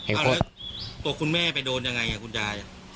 เออโต๊ะคุณแม่ไปโดนอย่างไรนะครับคุณยาย